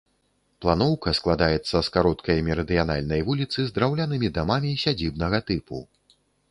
Планоўка складаецца з кароткай мерыдыянальнай вуліцы з драўлянымі дамамі сядзібнага тыпу.